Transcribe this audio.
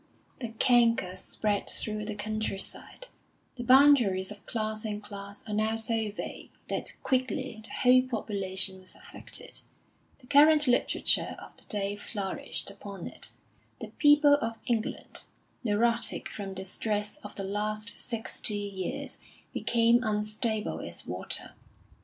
The canker spread through the country side; the boundaries of class and class are now so vague that quickly the whole population was affected; the current literature of the day flourished upon it; the people of England, neurotic from the stress of the last sixty years, became unstable as water.